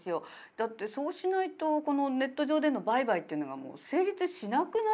だってそうしないとこのネット上での売買っていうのがもう成立しなくなりますよね。